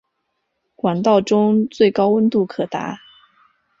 管道中最高温度可达。